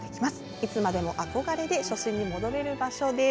いつまでも憧れで初心に戻れる場所です。